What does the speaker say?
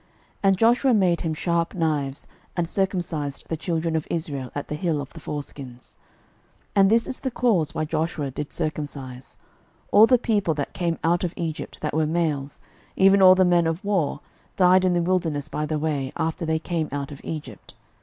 06:005:003 And Joshua made him sharp knives, and circumcised the children of Israel at the hill of the foreskins. 06:005:004 And this is the cause why Joshua did circumcise: All the people that came out of Egypt, that were males, even all the men of war, died in the wilderness by the way, after they came out of Egypt.